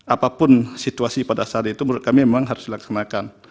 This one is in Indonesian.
apapun situasi pada saat itu menurut kami memang harus dilaksanakan